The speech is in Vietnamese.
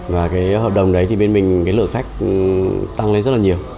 và hợp đồng đấy bên mình lượng khách tăng lên rất nhiều